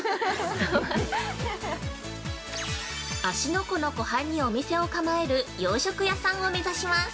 ◆芦ノ湖の湖畔にお店を構える洋食屋さんを目指します。